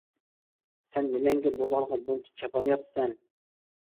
-سەن نېمەڭگە بۇ بالىغا بۇنچە چاپان ياپىسەن؟ !